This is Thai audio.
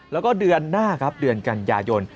แล้วก็เดือนหน้าครับเดือนกันยายน